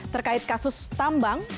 terkait kasus tambang